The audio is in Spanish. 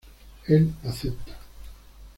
Él acepta.